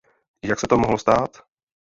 Jak se to mohlo stát?